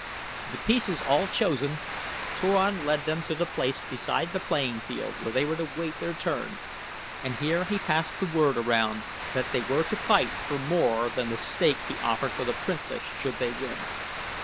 The pieces all chosen, Turan led them to the place beside the playing field where they were to wait their turn, and here he passed the word around that they were to fight for more than the stake he offered for the princess should they win.